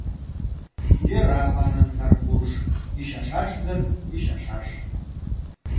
— Йӧра, — манын Карпуш, — ӱчашаш гын, ӱчашаш.